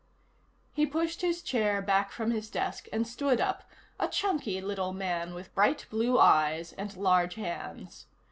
He pushed his chair back from his desk and stood up, a chunky little man with bright blue eyes and large hands.